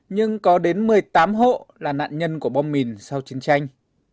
nhưng có đến một mươi tám hộ là nạn nhân của bom mìn sau chiến tranh